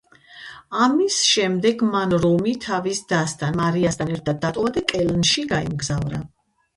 ამის შემდეგ მან რომი თავის დასთან, მარიასთან ერთად დატოვა და კელნში გაემგზავრა.